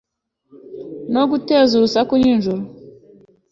no guteza urusaku nijoro